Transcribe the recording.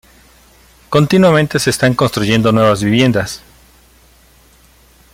Continuamente se están construyendo nuevas viviendas.